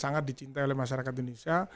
sangat dicintai oleh masyarakat indonesia